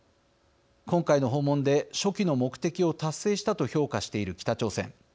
今回の訪問で所期の目的を達成したと評価している北朝鮮。